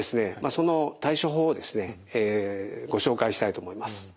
その対処法をですねご紹介したいと思います。